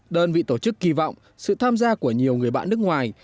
đơn vị tổ chức kỳ vọng sự tham gia của nhiều người bạn nước ngoài